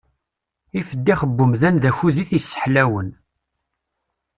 Ifeddix n umdan d akud i t-sseḥlawen.